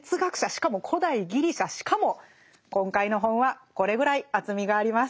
しかも古代ギリシャしかも今回の本はこれぐらい厚みがあります。